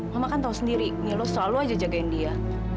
mama kan tahu sendiri milo selalu aja jagain dia